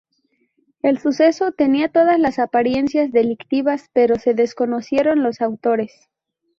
El suceso tenía todas las apariencias delictivas, pero se desconocieron los autores.